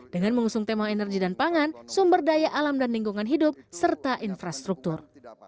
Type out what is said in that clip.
dengan mengusung tema energi dan pangan sumber daya alam dan lingkungan hidup serta infrastruktur